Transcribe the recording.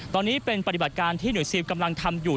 ตอนนี้เป็นปฏิบัติการที่หน่วยซิลกำลังทำอยู่